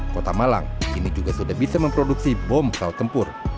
kota malang kini juga sudah bisa memproduksi bom pesawat tempur